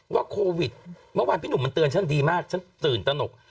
โควิดเมื่อวานพี่หนุ่มมันเตือนฉันดีมากฉันตื่นตนก